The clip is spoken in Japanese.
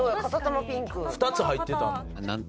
２つ入ってたもん。